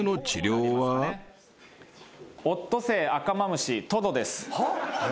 オットセイ・赤マムシ・トドです。